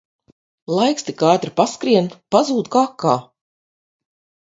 Laiks tik ātri paskrien, pazūd kā akā